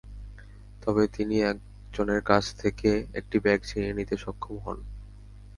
তবে তিনি একজনের কাছ থেকে একটি ব্যাগ ছিনিয়ে নিতে সক্ষম হন।